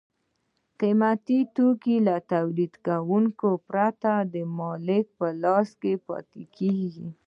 قیمتي توکي له پېرودونکو پرته د مالک په لاس کې پاتې کېږي